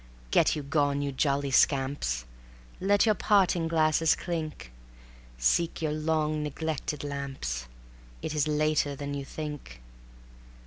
Get you gone, you jolly scamps; Let your parting glasses clink; Seek your long neglected lamps: It is later than you think.